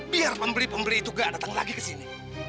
biar pembeli pembeli itu gak datang lagi ke sini